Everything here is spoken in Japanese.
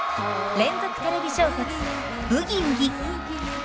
連続テレビ小説「ブギウギ」。